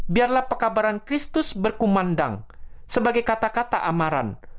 biarlah pekabaran kristus berkumandang sebagai kata kata amaran